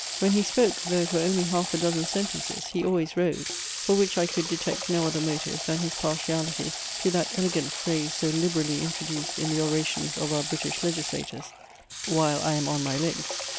When he spoke, though it were only half a dozen sentences, he always rose: for which I could detect no other motive, than his partiality to that elegant phrase so liberally introduced in the orations of our British legislators, "While I am on my legs."